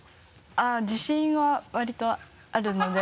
あっ自信はわりとあるので。